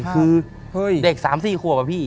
คือเด็ก๓๔ครับพี่